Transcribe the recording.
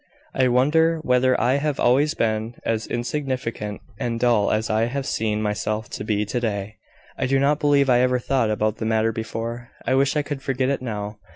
I wonder whether I have always been as insignificant and dull as I have seen myself to be to day. I do not believe I ever thought about the matter before: I wish I could forget it now."